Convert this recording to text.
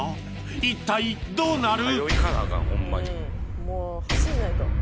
一体どうなる？